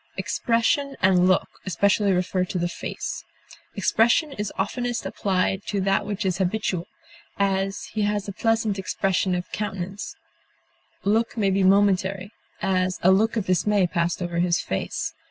Expression and look especially refer to the face. Expression is oftenest applied to that which is habitual; as, he has a pleasant expression of countenance; look may be momentary; as, a look of dismay passed over his face.